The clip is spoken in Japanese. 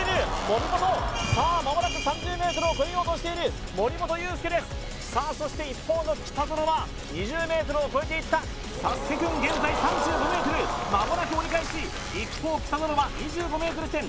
森本さあ間もなく３０ｍを超えようとしている森本裕介ですさあそして一方の北園は２０ｍを超えていったサスケくん現在３５ｍ間もなく折り返し一方北園は２５ｍ地点